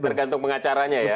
tergantung pengacaranya ya